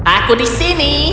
aku di sini